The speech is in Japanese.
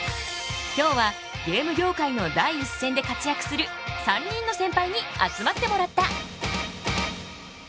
今日はゲーム業界の第一線で活躍する３人のセンパイに集まってもらった。